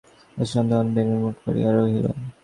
সন্ধ্যা হইলে যখন সে পড়াইতে আসিল তখন বেণু মুখ ভার করিয়া রহিল।